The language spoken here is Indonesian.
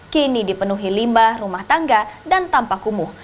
kini dipenuhi limbah rumah tangga dan tampak kumuh